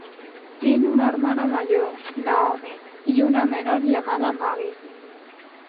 Tiene una hermana mayor, Naomi, y una menor llamada Maggie.